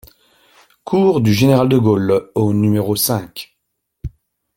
Cours du Général de Gaulle au numéro cinq